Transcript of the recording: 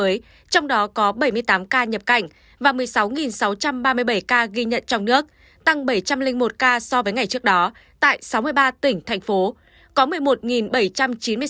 trong đó có bảy mươi tám ca nhập cảnh và một mươi sáu sáu trăm ba mươi bảy ca ghi nhận trong nước tăng bảy trăm linh một ca so với ngày trước đó tại sáu mươi ba tỉnh thành phố